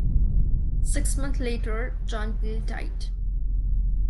Six months later John Peel died.